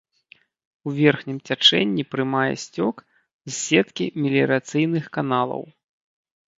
У верхнім цячэнні прымае сцёк з сеткі меліярацыйных каналаў.